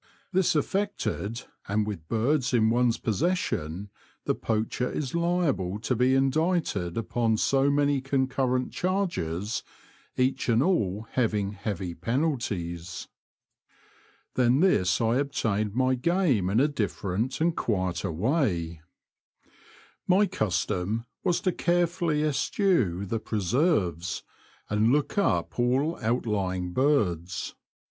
This affected, and with birds in one's possession, the poacher is liable to be indicted upon so many concurrent charges, each and all having heavy penalties. Than this I obtained my game in a different and quieter 8o The Confessions of a T^oacher, way. My custom was to carefully eschew the preserves, and look up all outlying birds.